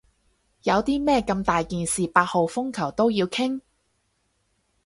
有啲咩咁大件事八號風球都要傾？